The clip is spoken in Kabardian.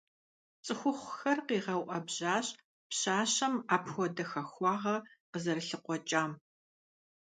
ЦӀыхухъухэр къигъэуӀэбжьащ пщащэм апхуэдэ хахуагъэ къызэрылъыкъуэкӀам.